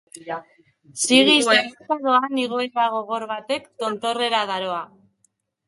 Sigi-sagaka doan igoera gogor batek, tontorrera daroa.